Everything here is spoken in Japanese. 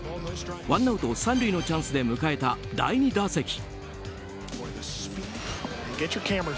ワンアウト３塁のチャンスで迎えた第２打席。